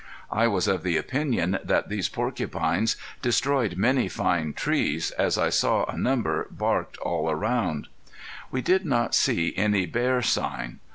I was of the opinion that these porcupines destroy many fine trees, as I saw a number barked all around. We did not see any bear sign.